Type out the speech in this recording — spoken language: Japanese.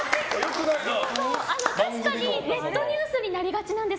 確かにネットニュースになりがちなんです。